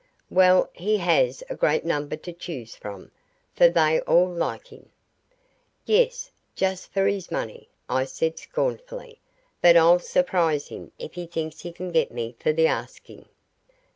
"Well, he has a great number to choose from, for they all like him." "Yes, just for his money," I said scornfully. "But I'll surprise him if he thinks he can get me for the asking."